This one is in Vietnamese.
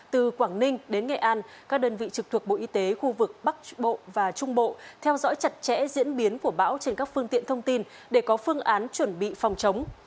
từ quảng ninh đến nghệ an các đơn vị trực thuộc bộ y tế khu vực bắc bộ và trung bộ theo dõi chặt chẽ diễn biến của bão trên các phương tiện thông tin để có phương án chuẩn bị phòng chống